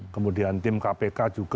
kemudian tim kpk juga